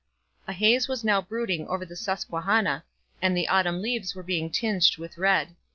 A haze was now brooding over the Susquehanna, and the autumn leaves were being tinged with red.